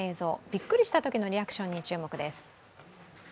びっくりしたときのリアクションに注目です。